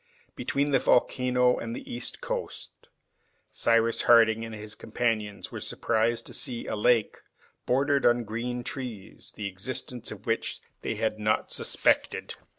Between the volcano and the east coast Cyrus Harding and his companions were surprised to see a lake, bordered with green trees, the existence of which they had not suspected.